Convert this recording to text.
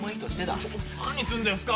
ちょっと何すんですか！？